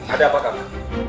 ada apa kamu